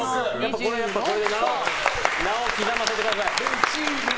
これで名を刻ませてください。